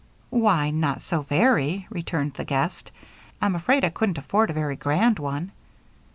"Why, not so very," returned the guest. "I'm afraid I couldn't afford a very grand one."